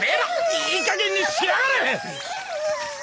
いいかげんにしやがれ！